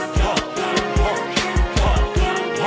เจดี้